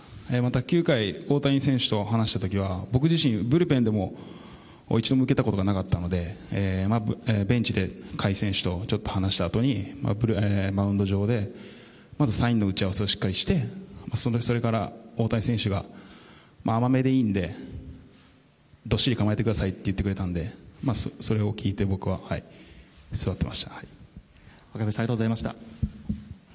また９回、大谷選手と話した時は僕自身ブルペンでも一度も受けたことがなかったのでベンチで甲斐選手とちょっと話したあとにベンチでサインの打ち合わせをしっかりしてそれから大谷選手が甘めでいいのでどっしり構えてくださいと言ってくれたのでありがとうございました。